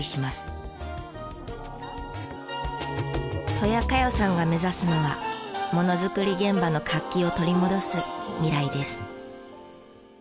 戸屋加代さんが目指すのはものづくり現場の活気を取り戻す未来です。